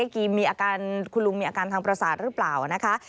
คุณลุงมีอาการทางประสาทหรือเปล่านะคะ